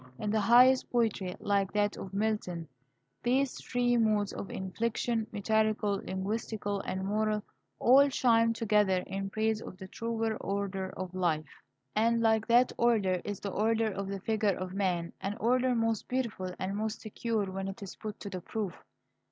In the highest poetry, like that of Milton, these three modes of inflection, metrical, linguistical, and moral, all chime together in praise of the truer order of life." And like that order is the order of the figure of man, an order most beautiful and most secure when it is put to the proof.